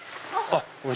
あっ。